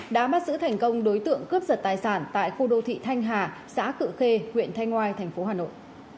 đã bắt giữ thành công đối tượng cướp giật tài sản tại khu đô thị thanh hà xã cự khê huyện thanh ngoai tp hà nội